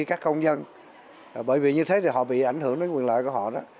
các công dân bởi vì như thế thì họ bị ảnh hưởng đến quyền lợi của họ đó